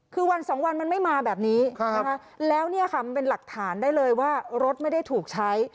คือวันสองวันมันไม่มาแบบนี้นะคะแล้วเนี่ยค่ะมันเป็นหลักฐานได้เลยว่ารถไม่ได้ถูกใช้